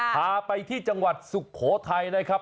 พาไปที่จังหวัดสุโขทัยนะครับ